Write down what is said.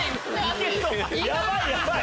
ヤバいヤバい。